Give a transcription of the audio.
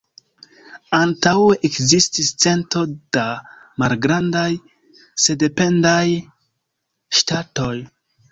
Antaŭe ekzistis cento da malgrandaj sendependaj ŝtatoj.